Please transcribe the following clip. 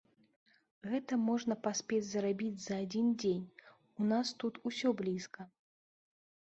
Гэта можна паспець зрабіць за адзін дзень, у нас тут усё блізка.